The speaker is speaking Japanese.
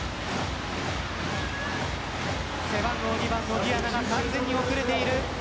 背番号２番のディアナが完全に遅れている。